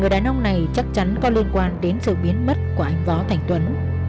người đàn ông này chắc chắn có liên quan đến sự biến mất của anh võ thành tuấn